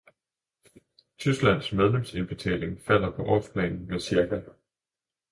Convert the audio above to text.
Tysklands medlemsindbetaling falder på årsplan med ca.